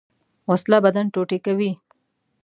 وسله بدن ټوټې کوي